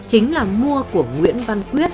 chính là mua của nguyễn văn quyết